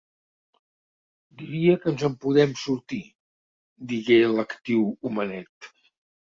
"Diria que ens en podem sortir", digué l'actiu homenet.